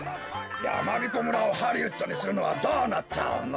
やまびこ村をハリウッドにするのはどうなっちゃうの？